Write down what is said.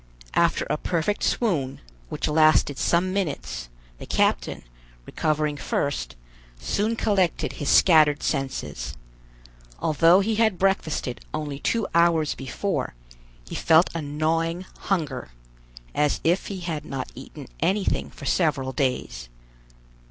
After a perfect swoon, which lasted some minutes, the captain, recovering first, soon collected his scattered senses. Although he had breakfasted only two hours before, he felt a gnawing hunger, as if he had not eaten anything for several days.